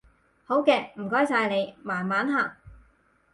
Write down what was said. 好嘅，唔該晒你，慢慢行